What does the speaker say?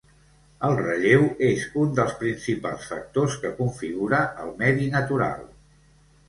El relleu és un dels principals factors que configura el medi natural.